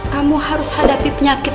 kamu harus hadapi penyakit